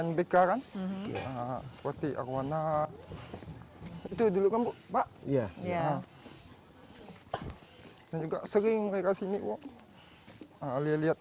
nbk kan seperti arwana itu dulu kamu pak ya ya juga sering mereka sini kok lihat